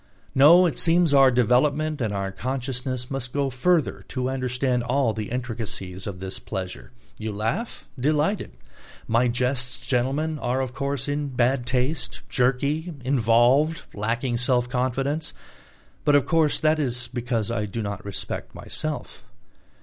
No, it seems our development and our consciousness must go further to understand all the intricacies of this pleasure. You laugh? Delighted. My jests, gentlemen, are of course in bad taste, jerky, involved, lacking self confidence. But of course that is because I do not respect myself.